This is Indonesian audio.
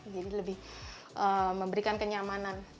jadi lebih memberikan kenyamanan